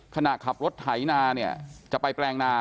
ขณะขับรถไถนาเนี่ยจะไปแปลงนา